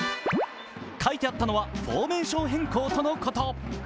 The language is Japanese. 書いてあったのは、フォーメーション変更とのこと。